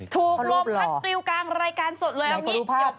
ถูกลบครัดตรีวกางรายการสดแล้วนี่